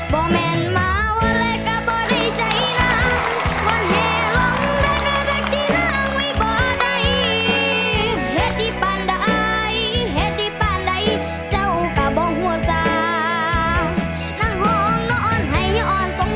บ่แม่นมาวะแหละก็บ่ได้ใจนั้งบ่เหลงแหละก็รักใจนั้ง